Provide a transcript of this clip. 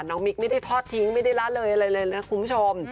มิ๊กไม่ได้ทอดทิ้งไม่ได้ละเลยอะไรเลยนะคุณผู้ชม